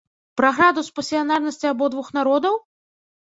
Пра градус пасіянарнасці абодвух народаў?